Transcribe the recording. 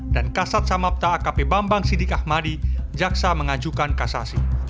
dan kasat samapta akp bambang sidik ahmadi jaksa mengajukan kasasi